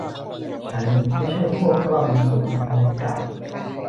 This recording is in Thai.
ฉันไม่ใช่พวกรอบบินสูง อลิซกล่าว